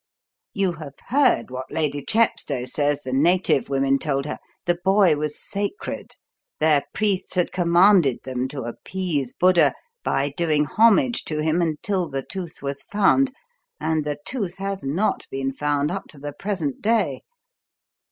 You have heard what Lady Chepstow says the native women told her; the boy was sacred; their priests had commanded them to appease Buddha by doing homage to him until the tooth was found, and the tooth has not been found up to the present day!